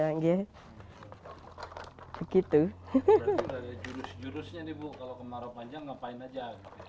jurus jurusnya nih bu kalau kemarau panjang ngapain aja